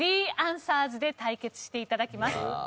３アンサーズで対決して頂きます。